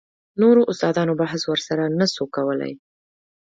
نورو استادانو بحث ورسره نه سو کولاى.